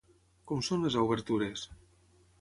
Com són les obertures?